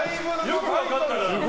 よく分かったな！